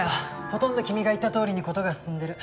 ほとんど君が言ったとおりに事が進んでる。